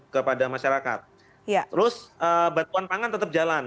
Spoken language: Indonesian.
terus bantuan pangan tetap jalan